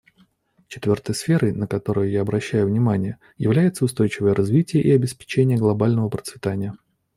Четвертой сферой, на которую я обращаю внимание, является устойчивое развитие и обеспечение глобального процветания.